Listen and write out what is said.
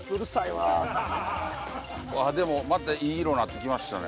わあでもまたいい色なってきましたね。